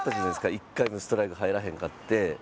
１回もストライク入らへんかって。